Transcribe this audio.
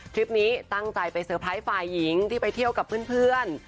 คลิปนี้ตั้งใจไปเตอร์ไพรส์ฝ่ายหญิงที่ไปเที่ยวกับเพื่อน